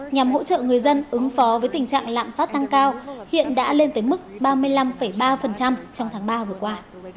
nhằm hỗ trợ người dân ứng phó với tình trạng lạm phát tăng cao hiện đã lên tới mức ba mươi năm ba trong tháng ba vừa qua